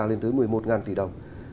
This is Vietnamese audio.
lên tới một mươi một tỷ đồng